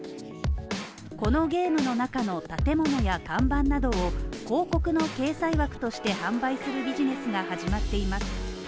このゲームの中の建物や看板などを広告の掲載枠として販売するビジネスが始まっています。